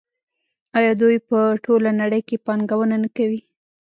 آیا دوی په ټوله نړۍ کې پانګونه نه کوي؟